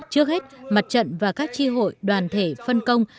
trước hết mặt trận và các tri hội đoàn thể phân công